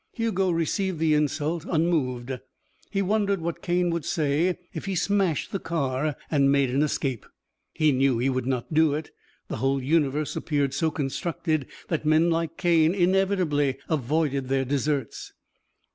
Hugo received the insult unmoved. He wondered what Cane would say if he smashed the car and made an escape. He knew he would not do it; the whole universe appeared so constructed that men like Cane inevitably avoided their desserts.